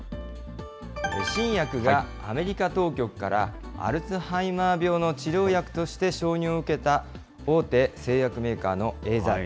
新薬がアメリカ当局からアルツハイマー病の治療薬として承認を受けた大手製薬メーカーのエーザイ。